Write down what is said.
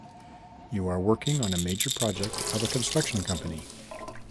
You are working on a major project of a construction company.